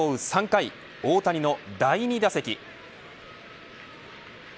３回大谷の第２打席。